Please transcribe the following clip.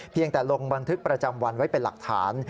แต่ลงบันทึกประจำวันไว้เป็นหลักฐาน